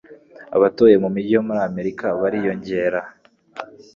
Abatuye mu mijyi yo muri Amerika bariyongera.